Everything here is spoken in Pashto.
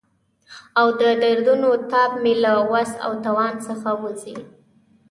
او د دردونو تاب مې له وس او توان څخه وځي.